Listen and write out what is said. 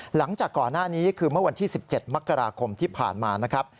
หลังจากก่อนหน้านี้คือเมื่อวันที่๑๗มกราคมที่ผ่านมานะครับ